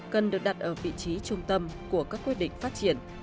cần được đặt ở vị trí trung tâm của các quyết định phát triển